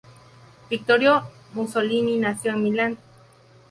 Vittorio Mussolini nació en Milán.